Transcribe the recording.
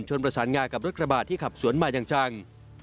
ชนประสานง่ากับรถกระบาดที่ขับสวนมาจัง